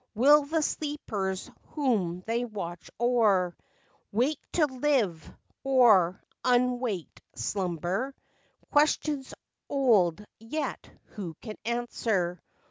Will the sleepers whom they watch o'er Wake to live, or unwaked slumber ? Questions old, yet, who can answer